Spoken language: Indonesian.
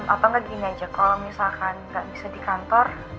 atau gini aja kalau misalkan gak bisa di kantor